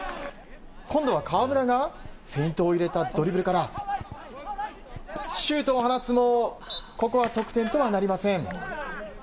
今度は川村がフェイントを入れたドリブルからシュートを放つもここは得点とはなりません。